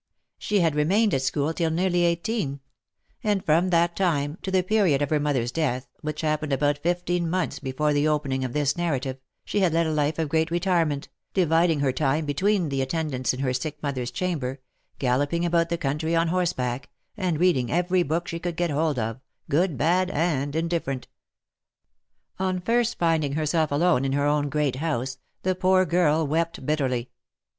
She had remained at school till nearly eighteen ; and from that time, to the period of her mo ther's death, which happened about fifteen months before the open ing of this narrative, she had led a life of great retirement, dividing her time between attendance in her sick mother's chamber, gallop ing about the country on horseback, and reading every book she could get hold of, good, bad, and indifferent. On first finding herself alone in her own great house, the poor girl wept bitterly.